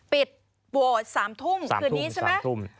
ปิดโหวต๓ทุ่มคืนนี้ใช่ไหม